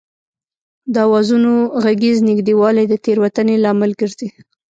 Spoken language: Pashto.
د آوازونو غږیز نږدېوالی د تېروتنې لامل ګرځي